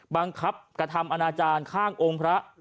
บังคับกระทำอนาจารย์ข้างองค์พระ